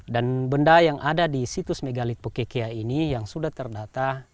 dan benda yang ada di situs megalitik pokekea ini yang sudah terdata